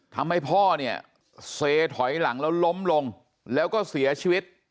ทำให้พ่อเนี่ยเซถอยหลังแล้วล้มลงแล้วก็เสียชีวิต